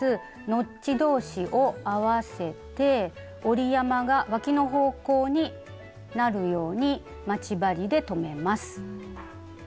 ノッチ同士を合わせて折り山がわきの方向になるように待ち針で留めます。